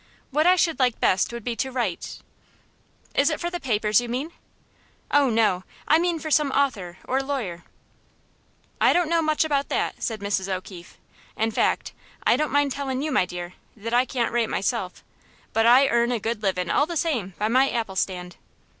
What I should like best would be to write " "Is it for the papers you mean?" "Oh, no; I mean for some author or lawyer." "I don't know much about that," said Mrs. O'Keefe. "In fact, I don't mind tellin' you, my dear, that I can't write myself, but I earn a good livin' all the same by my apple stand.